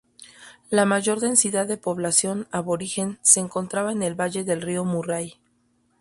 La mayor densidad de población aborigen se encontraba en el valle del río Murray.